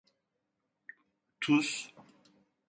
Tuz?